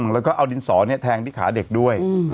แล้วก็เอาดินสอเนี่ยแทงดิขาเด็กด้วย